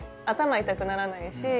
頭痛くならないし。